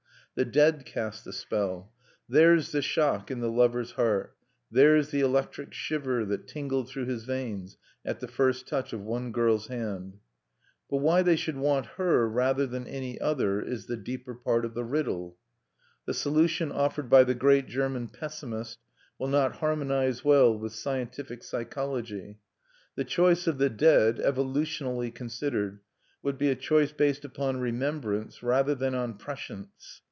The dead cast the spell. Theirs the shock in the lover's heart; theirs the electric shiver that tingled through his veins at the first touch of one girl's hand. But why they should want her, rather than any other, is the deeper part of the riddle. The solution offered by the great German pessimist will not harmonize well with scientific psychology. The choice of the dead, evolutionally considered, would be a choice based upon remembrance rather than on prescience.